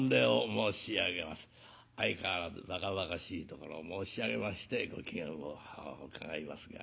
相変わらずばかばかしいところを申し上げましてご機嫌を伺いますが。